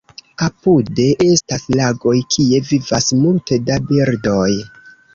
Apude estas lagoj, kie vivas multe da birdoj.